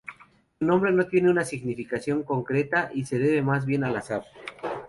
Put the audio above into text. Su nombre no tiene una significación concreta y se debe mas bien al azar.